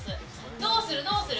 どうする？